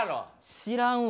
知らんわ。